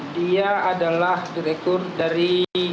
dia adalah direktur dari